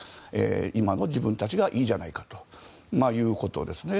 今の自分たちがいいじゃないかということですね。